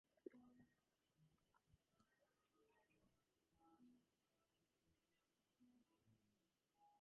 Most Sherpa who are in the tourism business are from the Namche area.